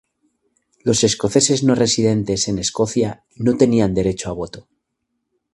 Los escoceses no residentes en Escocia no tenían derecho a voto.